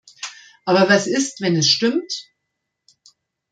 Aber was ist, wenn es stimmt?